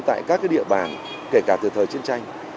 tại các địa bàn kể cả từ thời chiến tranh